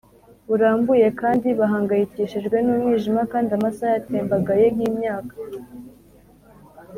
barambuye kandi bahangayikishijwe n'umwijima, kandi amasaha yatembagaye nk'imyaka,